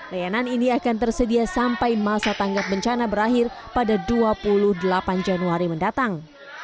layanan ini akan tersedia sampai masa tanggap bencana berakhir pada dua puluh delapan januari mendatang